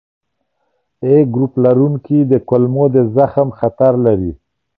A ګروپ لرونکي د کولمو د زخم خطر لري.